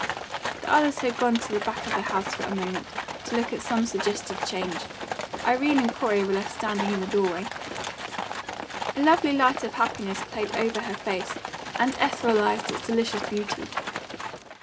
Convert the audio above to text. The others had gone to the back of the house a moment, to look at some suggested change. Irene and Corey were left standing in the doorway. A lovely light of happiness played over her face and etherealised its delicious beauty.